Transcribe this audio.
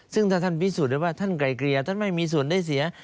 ซึ่งถ้าท่านพิสูจน์ได้ว่าท่านไกลเกลี่ยท่านไม่มีส่วนได้เสีย